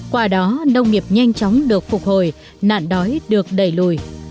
qua đó nông nghiệp nhanh chóng được phục hồi nạn đói được đẩy lùi